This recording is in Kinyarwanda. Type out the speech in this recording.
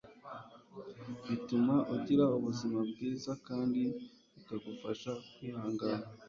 bituma ugira ubuzima bwiza kandi bikagufasha kwihangana